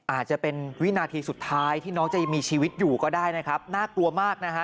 อาจจะเป็นวินาทีสุดท้ายที่น้องจะยังมีชีวิตอยู่ก็ได้นะครับน่ากลัวมากนะฮะ